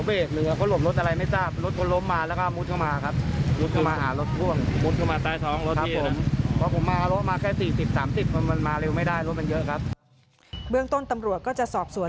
เบื้องต้นตำรวจก็จะสอบสวน